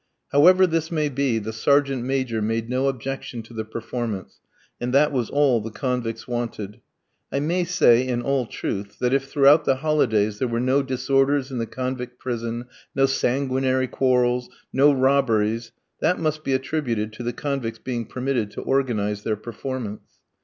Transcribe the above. However this may be, the Sergeant Major made no objection to the performance, and that was all the convicts wanted. I may say in all truth that if throughout the holidays there were no disorders in the convict prison, no sanguinary quarrels, no robberies, that must be attributed to the convicts being permitted to organise their performance.